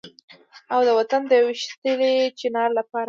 او د وطن د ويشتلي چينار لپاره هم